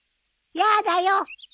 やだよ。